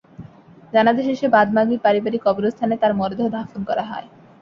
জানাজা শেষে বাদ মাগরিব পারিবারিক কবরস্থানে তার মরদেহ দাফন করা হয়।